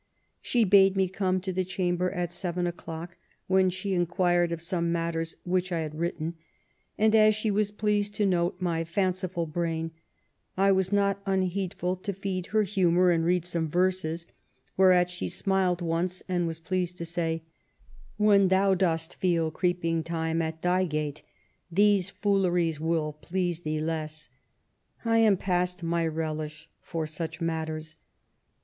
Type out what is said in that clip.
She bade me come to the chamber at seven o'clock, when she inquired of some matters which I had written ; and as she was pleased to note my fanciful brain, I was not unheedful to feed her humour and read some verses, whereat she smiled once, and was pleased to say: 'When thou dost feel creeping time at thy gate, these fooleries will please thee less. I am past my relish for such matters.